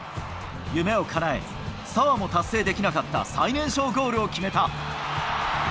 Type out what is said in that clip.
夢をかなえ、澤も達成できなかった最年少ゴールを決めた。